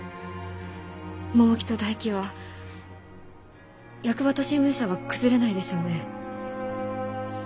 百喜と大喜は役場と新聞社は崩れないでしょうね？